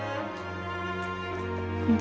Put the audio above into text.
うん。